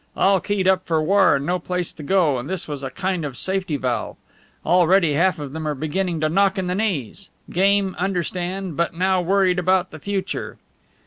All keyed up for war and no place to go, and this was a kind of safety valve. Already half of them are beginning to knock in the knees. Game, understand, but now worried about the future."